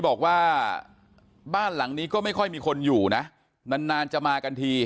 บอกว่าบ้านหลังนี้ก็ไม่ค่อยมีคนอยู่นะนานจะมากันที